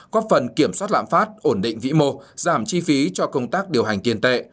có phần kiểm soát lạm phát ổn định vĩ mô giảm chi phí cho công tác điều hành tiền tệ